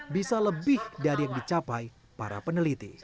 bisa lebih dari yang dicapai para peneliti